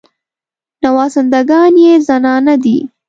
نوازنده ګان یې زنانه دي.